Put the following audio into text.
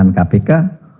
tuan tuan pimpinan kpk